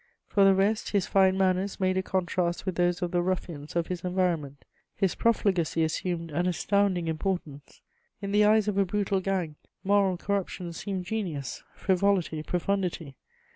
For the rest, his fine manners made a contrast with those of the ruffians of his environment; his profligacy assumed an astounding importance: in the eyes of a brutal gang, moral corruption seemed genius, frivolity profundity.